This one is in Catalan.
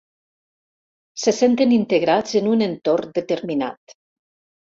Se senten integrats en un entorn determinat.